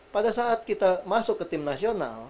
pada saat kita masuk ke tim nasional